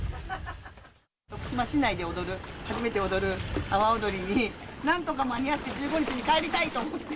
徳島市内で踊る、初めて踊る阿波おどりになんとか間に合って、１５日に帰りたいと思って。